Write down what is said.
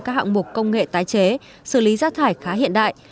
các hạng mục công nghệ tái chế xử lý rác thải khá hiện đại